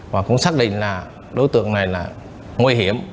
và cũng xác định là đối tượng này là nguy hiểm